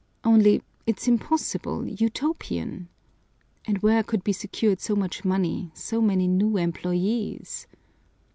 Only, it's impossible, Utopian! And where could be secured so much money, so many new employees?"